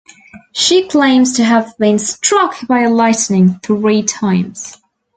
She claims to have been struck by lightning three times.